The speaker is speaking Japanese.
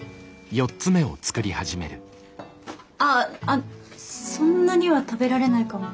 あっそんなには食べられないかも。